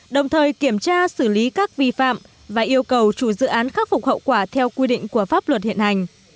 đồng thời kiểm tra xử lý các vi phạm và yêu cầu chủ dự án khắc phục hậu quả theo quy định của pháp luật hiện hành